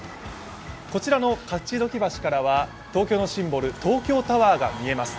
こちらの勝どき橋からは東京のシンボル、東京タワーが見えます。